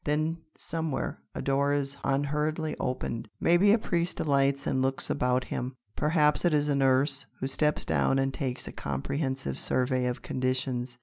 Then, somewhere, a door is unhurriedly opened. Maybe a priest alights and looks about him. Perhaps it is a nurse who steps down and takes a comprehensive survey of conditions.